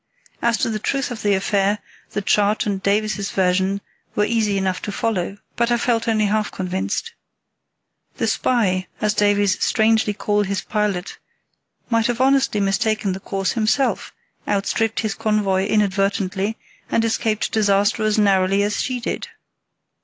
As to the truth of the affair, the chart and Davies's version were easy enough to follow, but I felt only half convinced. The "spy", as Davies strangely called his pilot, might have honestly mistaken the course himself, outstripped his convoy inadvertently, and escaped disaster as narrowly as she did.